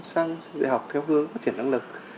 sang dạy học theo hướng phát triển năng lực